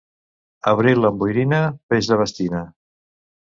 Abril amb boirina, peix de bastina.